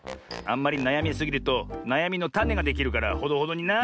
あんまりなやみすぎるとなやみのタネができるからほどほどにな。